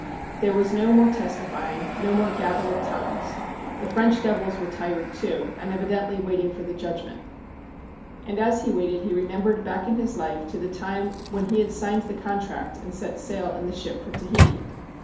There was no more testifying, no more gabble of tongues. The French devils were tired, too, and evidently vô£'aiting for the judgment. And as he waited he remembered back in his life to the time when he had signed the contract and set sail in the ship for Tahiti.